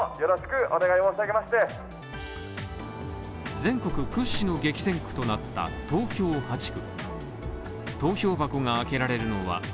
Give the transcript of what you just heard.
全国屈指の激戦区となった東京８区。